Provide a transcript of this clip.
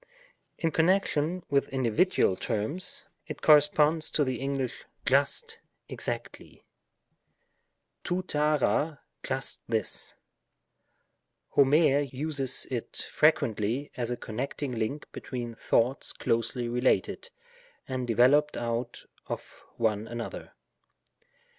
In connection with individual terms, §142. PABTICLES. 205 it corresponds to the Eng. juet^ exactl/y i rovr^ ccqu^ *' just this." Homer uses it frequently as a connecting liTiTr between thoughts closely related, and developed out of one another.